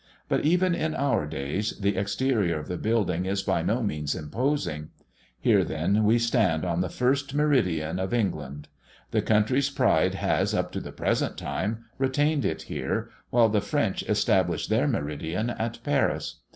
But even in our days, the exterior of the building is by no means imposing. Here, then, we stand on the first meridian of England. The country's pride has, up to the present time, retained it here, while the French established their meridian at Paris.